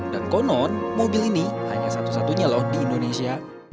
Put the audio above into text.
dan konon mobil ini hanya satu satunya lho di indonesia